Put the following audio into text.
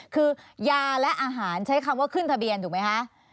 คือยาและอาหารใช้คำว่าขึ้นทะเบียนถูกไหมคะ